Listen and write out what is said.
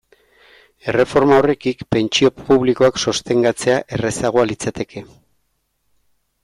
Erreforma horrekin, pentsio publikoak sostengatzea errazagoa litzateke.